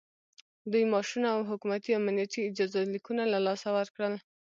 دوی معاشونه او حکومتي امنیتي اجازه لیکونه له لاسه ورکړل